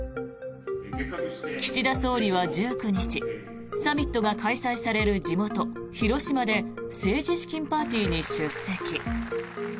岸田総理は１９日サミットが開催される地元・広島で政治資金パーティーに出席。